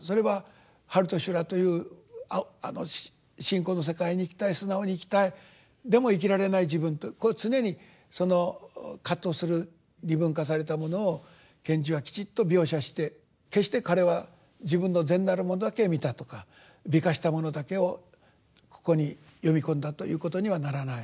それは「春と修羅」というあの信仰の世界に生きたい素直に生きたいでも生きられない自分とこう常に葛藤する二分化されたものを賢治はきちっと描写して決して彼は自分の善なるものだけ見たとか美化したものだけをここに詠み込んだということにはならない。